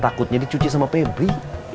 takutnya dicuci sama pebri